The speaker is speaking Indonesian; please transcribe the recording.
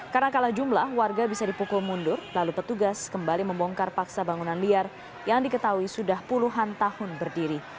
karena kalah jumlah warga bisa dipukul mundur lalu petugas kembali membongkar paksa bangunan liar yang diketahui sudah puluhan tahun berdiri